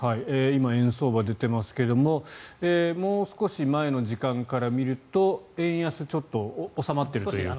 今、円相場出てますがもう少し前の時間から見ると円安、ちょっと収まっているというか。